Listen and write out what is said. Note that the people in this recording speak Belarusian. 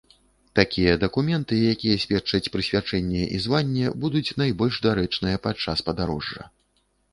Такія дакументы, якія сведчаць прысвячэнне і званне, будуць найбольш дарэчныя падчас падарожжа.